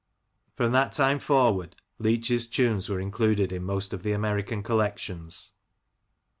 From that time forward Leach's tunes were included in most of the American collections."